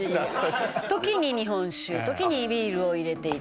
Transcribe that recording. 時に日本酒時にビールを入れて頂いて。